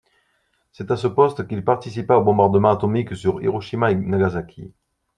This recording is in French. C'est à ce poste qu'il participa aux bombardements atomiques sur Hiroshima et Nagasaki.